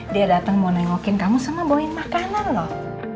dia datang mau nengokin kamu sama bawain makanan loh